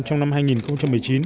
trong năm hai nghìn một mươi chín